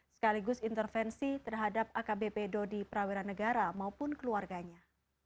sekaligus intervensi terhadap akbp dodi prawiran negara maupun keluarganya